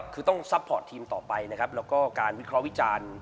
คือต้องซัพพอร์ตทีมต่อไปนะครับแล้วก็การวิเคราะห์วิจารณ์